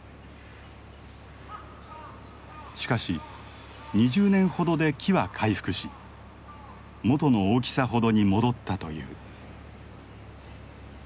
しかし２０年ほどで木は回復し元の大きさほどに戻ったという。